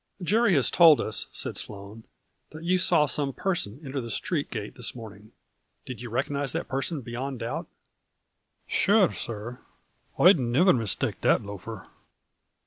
"Jerry has told us," said Sloane, "that you saw some person enter the street gate this morning. Did you recognize that person beyond doubt ?"" Sure, sir, I'd niver mishtake that loafer."